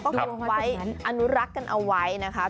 ก็เก็บไว้อนุรักษ์กันเอาไว้นะคะ